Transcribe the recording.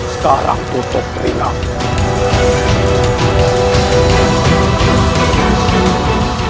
sekarang tutup telingamu